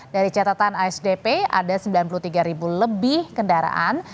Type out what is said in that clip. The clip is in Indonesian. dari catatan asdp ada sembilan puluh tiga ribu lebih kendaraan